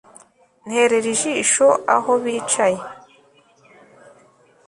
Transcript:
nterera ijisho aho bicaye